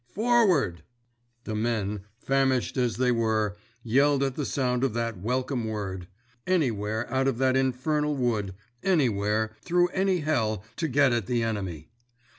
Forward! The men, famished as they were, yelled at the sound of that welcome word. Anywhere, out of that infernal wood—anywhere, through any hell, to get at the enemy!